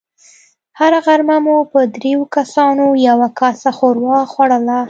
هره غرمه مو په دريو کسانو يوه کاسه ښوروا خوړله.